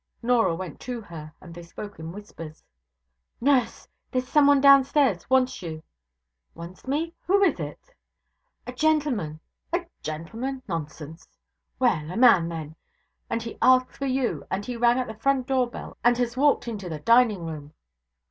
Norah went to her, and they spoke in whispers. 'Nurse! there's someone downstairs wants you.' 'Wants me! who is it?' 'A gentleman ' 'A gentleman? Nonsense!' 'Well! a man, then, and he asks for you, and he rang at the front door bell, and has walked into the dining room.'